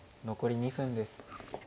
残り２分です。